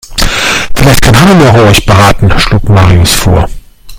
Vielleicht kann Hannelore euch beraten, schlug Marius vor.